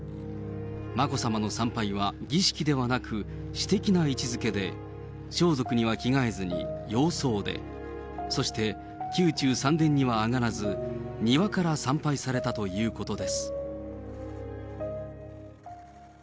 眞子さまの参拝は儀式ではなく、私的な位置づけで、装束には着がえずに洋装で、そして宮中三殿には上がらず、庭から参拝されたということです。